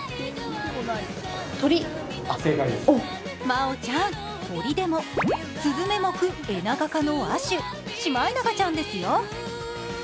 真央ちゃん、鳥でもスズメ目エナガ科の亜種シマエナガちゃんですよ。